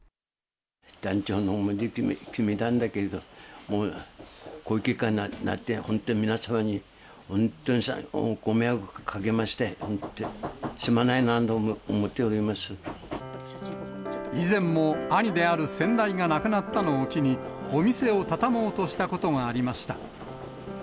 断腸の思いで決めたんだけれど、もうこういう結果になって、本当に皆様に、本当にご迷惑をかけまして、本当、以前も兄である先代が亡くなったのを機に、お店を畳もうとしたことがありました。